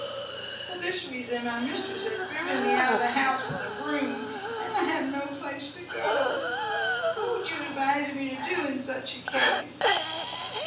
For this reason my mistress has driven me out of the house with a broom, and I have no place to go. What would you advise me to do in such a case?"